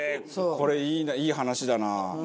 これいい話だな。